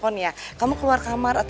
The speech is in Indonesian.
udah kamu dirumah aja